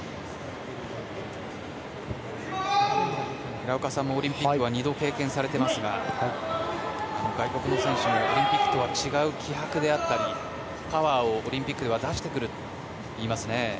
平岡さんもオリンピックは２度経験されていますが外国の選手は、オリンピックでは違う気迫だったりパワーを出してくるといいますね。